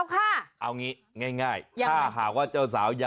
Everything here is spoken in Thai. มาตามเจ้าสาว